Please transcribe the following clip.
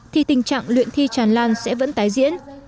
thì tình trạng luyện thi tràn lan sẽ vẫn tái diễn